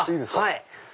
はい。